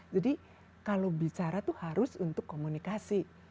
jadi kalau bicara itu harus untuk komunikasi